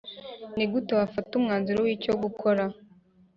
rr Ni gute wafataga umwanzuro w icyo gukora